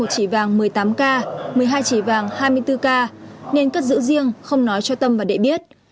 một chỉ vàng một mươi tám k một mươi hai chỉ vàng hai mươi bốn k nên cất giữ riêng không nói cho tâm và đệ biết